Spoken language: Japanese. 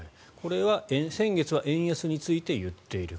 先月は円安について言っている。